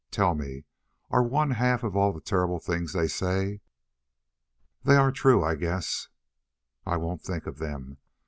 Tell me, are one half of all the terrible things they say " "They are true, I guess." "I won't think of them.